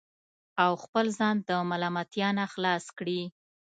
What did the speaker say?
او خپل ځان د ملامتیا نه خلاص کړي